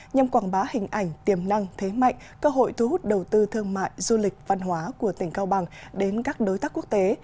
nhằm quảng bá hình ảnh tiềm năng thế mạnh cơ hội thu hút đầu tư thương mại du lịch văn hóa của tỉnh cao bằng đến các đối tác quốc tế